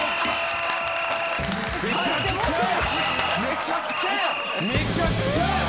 めちゃくちゃやめちゃくちゃや。